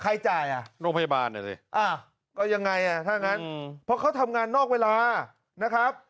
จ่ายอ่ะโรงพยาบาลน่ะสิก็ยังไงอ่ะถ้างั้นเพราะเขาทำงานนอกเวลานะครับ